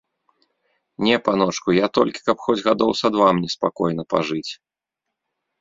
Не, паночку, я толькі, каб хоць гадоў са два мне спакойна пажыць.